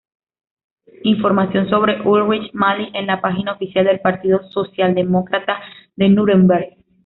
Información sobre Ulrich Maly en la página oficial del partido socialdemócrata de Núremberg